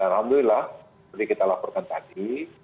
alhamdulillah seperti kita laporkan tadi